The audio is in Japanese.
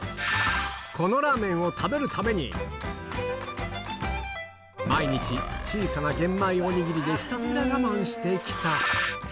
このラーメンを食べるために、毎日、小さな玄米おにぎりでひたすら我慢してきた。